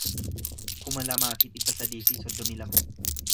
kuma lamaa fi dhibba sadii fi soddomii lama